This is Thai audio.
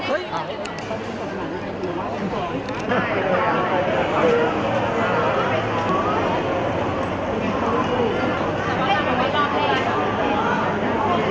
สุดท้ายสุดท้ายสุดท้าย